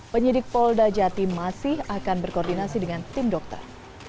penyidik polda jati masih akan berkoordinasi dengan tim dokter